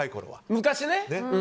昔ね。